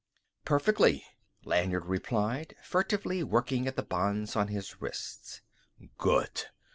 "Perfectly," Lanyard replied, furtively working at the bonds on his wrists. "Good.